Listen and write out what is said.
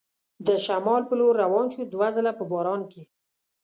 د شمال په لور روان شو، دوه ځله په باران کې.